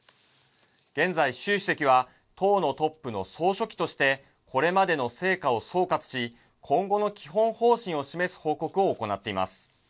現在、習主席は党のトップの総書記としてこれまでの成果を総括し、今後の基本方針を示す報告を行っています。